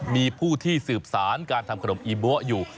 มีผู้ที่สืบสารการทำขนมอีบัวอยู่